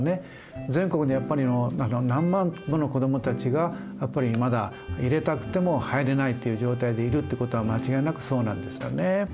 全国でやっぱり何万もの子どもたちがやっぱりまだ入れたくても入れないっていう状態でいるってことは間違いなくそうなんですよね。